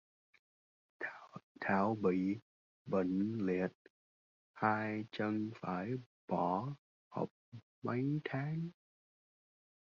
thảo bị bệnh liệt hai chân phải bỏ học mấy tháng